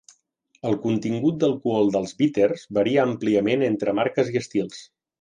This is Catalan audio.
El contingut d'alcohol dels bíters varia àmpliament entre marques i estils.